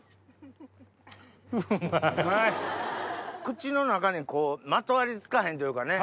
口の中にまとわり付かへんというかね。